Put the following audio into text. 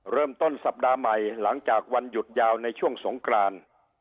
เริ่มต้นสัปดาห์ใหม่หลังจากวันหยุดยาวในช่วงสงกราน